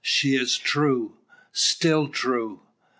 she is true still true!"